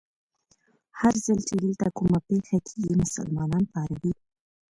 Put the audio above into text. هر ځل چې دلته کومه پېښه کېږي، مسلمانان پاروي.